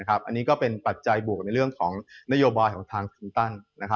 อันนี้ก็เป็นปัจจัยบวกในเรื่องของนโยบายของทางคลินตัน